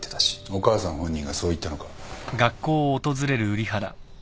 お母さん本人がそう言ったのか？